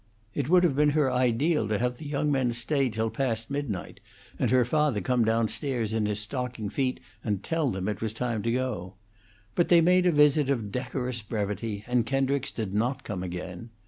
It would have been her ideal to have the young men stay till past midnight, and her father come down stairs in his stocking feet and tell them it was time to go. But they made a visit of decorous brevity, and Kendricks did not come again.